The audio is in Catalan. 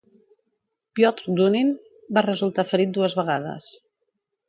Piotr Dunin va resultar ferit dues vegades.